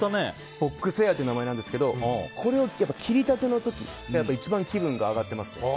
ボックスヘアっていう名前なんですけど切りたての時が一番気分が上がっています。